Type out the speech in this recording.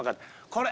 これ！